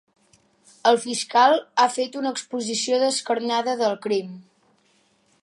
El fiscal ha fet una exposició descarnada del crim.